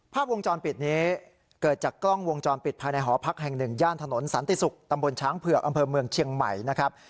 ภาพวงจรปิดนี้เกิดจากกล้องวงจรปิดภายในหอพักแห่งหนึ่งย่านถนนสันติศุกร์ตำบลช้างเผือกอำเภอเมืองเชียงใหม่นะครับ